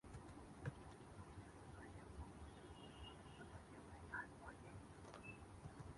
धृष्टद्युम्न यास पुर्वतः क्षत्रीय व धा र्मिक ज्ञान होते.